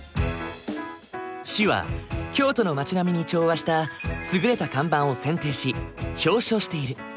市は京都の町並みに調和した優れた看板を選定し表彰している。